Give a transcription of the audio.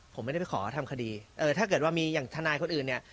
ผมไม่ได้ไปขอทำคดีเออถ้าเกิดว่ามีอย่างทนายคนอื่นเนี่ย